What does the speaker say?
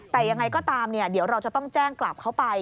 แต่ยังไงก็ตามเดี๋ยวเราจะต้องแจ้งกลับเข้าไป